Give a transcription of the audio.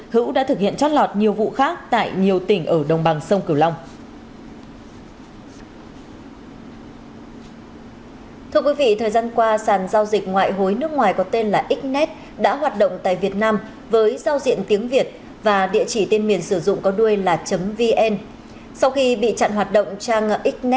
hữu đã thực hiện trót lọt nhiều vụ khác tại nhiều tỉnh ở đồng bằng sông cửu long